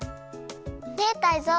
ねえタイゾウ。